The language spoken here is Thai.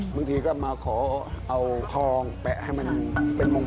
บางทีก็มาขอเอาทองแปะให้มันเป็นมุม